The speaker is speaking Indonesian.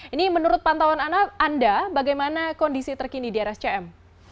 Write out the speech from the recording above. ini menurut pantauan anda bagaimana kondisi terkini di rscm